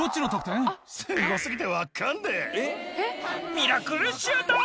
ミラクルシュート！